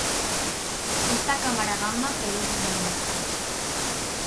Esta cámara gamma produce una imagen.